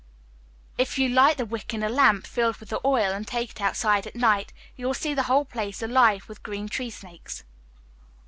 If you light the wick in a lamp filled with the oil, and take it outside at night, you will see the whole place alive with green tree snakes.